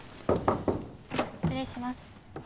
失礼します